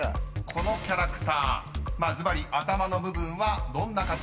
［このキャラクターずばり頭の部分はどんな形をしていたか？］